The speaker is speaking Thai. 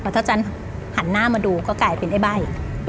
ถ้าจันหันหน้ามาดูก็กลายเป็นไอ้ใบ้